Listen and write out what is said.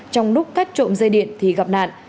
trong lúc cắt trộm dây điện thì gặp nạn